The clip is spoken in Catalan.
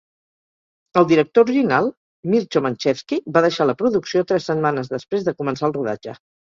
El director original, Milcho Manchevski, va deixar la producció tres setmanes després de començar el rodatge.